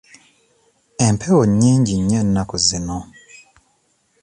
Empewo nnyingi nnyo ennaku zino.